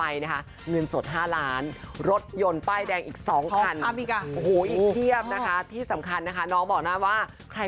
อย่างที่บอกไป